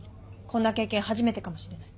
こんな経験初めてかもしれない。